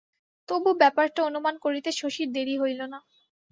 তবু ব্যাপারটা অনুমান করিতে শশীর দেরি হইল না।